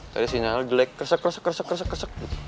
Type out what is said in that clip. tadi sinyalnya jelek kresek kresek